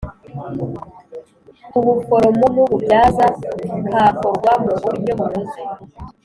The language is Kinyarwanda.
K Ubuforomo N Ububyaza Kakorwa Mu Buryo Bunoze